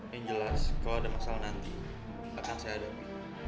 yang jelas kalau ada masalah nanti akan saya hadapi